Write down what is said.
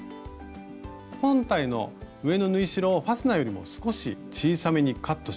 本体の上の縫い代をファスナーよりも少し小さめにカットします。